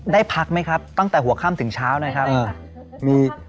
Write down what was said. ได้พักไหมครับตั้งแต่หัวค่ำถึงเช้านะครับ